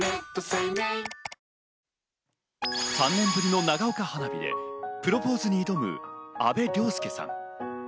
３年ぶりの長岡花火で、プロポーズに挑む阿部諒介さん。